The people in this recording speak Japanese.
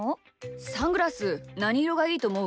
サングラスなにいろがいいとおもう？